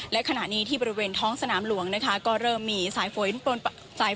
และขณะนี้ที่บริเวณท้องสนามหลวงนะคะก็เริ่มมีสายฝน